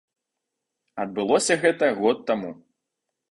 Адбылося гэта год таму.